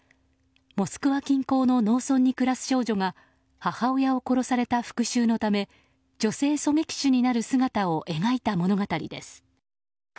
モスクワ近郊の農村に暮らす少女が母親を殺された復讐のため女性狙撃手になる姿を描いた物語です。